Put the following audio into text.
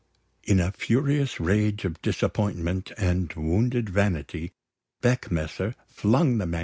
In a furious rage of disappointment and wounded vanity, Beckmesser flung the MS.